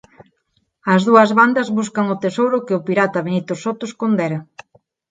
As dúas bandas buscan o tesouro que o pirata Benito Soto escondera.